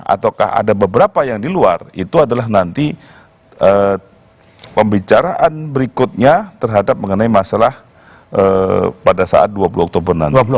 ataukah ada beberapa yang di luar itu adalah nanti pembicaraan berikutnya terhadap mengenai masalah pada saat dua puluh oktober nanti